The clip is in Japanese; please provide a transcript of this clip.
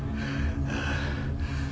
ああ。